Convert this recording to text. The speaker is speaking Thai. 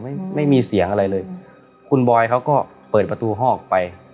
ไม่มีเสียงอะไรเลยคุณบอยเขาก็เปิดประตูห้องออกไป